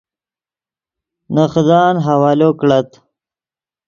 نے خدان حوالو کڑت